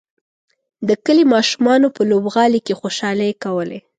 د کلي ماشومانو په لوبغالي کې خوشحالۍ کولې.